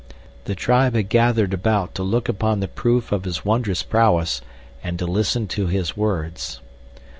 The tribe had gathered about to look upon the proof of his wondrous prowess, and to listen to his words.